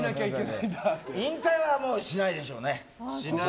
引退はしないでしょうね。